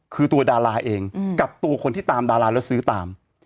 คือตัวดาราเองกับตัวคนที่ตามดาราแล้วซื้อตาม